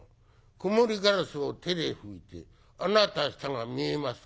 『くもりガラスを手で拭いてあなた明日が見えますか』